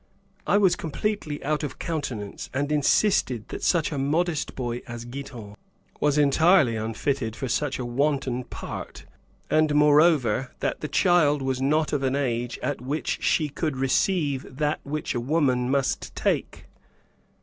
I was completely out of countenance, and insisted that such a modest boy as Giton was entirely unfitted for such a wanton part, and moreover, that the child was not of an age at which she could receive that which a woman must take.